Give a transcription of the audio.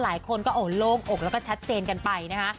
หลายคนก็โล่งอกแล้วก็ชัดเจนกันไปนะคะ